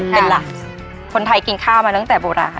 เป็นหลักคนไทยกินข้าวมาตั้งแต่โบราณค่ะ